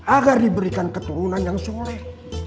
agar diberikan keturunan yang soleh